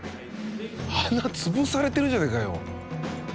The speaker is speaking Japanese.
鼻つぶされてるじゃないかよ。